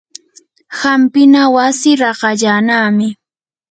hampina wasi raqallanami.